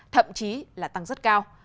thậm chí là tăng rất cao